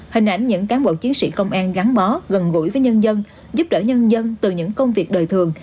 hình ảnh những cán bộ chiến sĩ công an gắn bó gần gũi với nhân dân giúp đỡ nhân dân từ những công việc đời thường